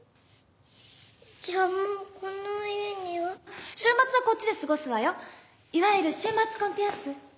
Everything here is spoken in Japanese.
じゃあもうこの家には？週末はこっちで過ごすわよいわゆる週末婚ってやつ？